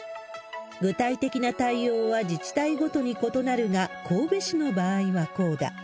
具体的な対応は自治体ごとに異なるが、神戸市の場合はこうだ。